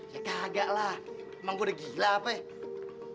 ya kagaklah emang gue udah gila apa ya